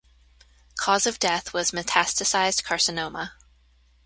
Cause of death was metastasized carcinoma.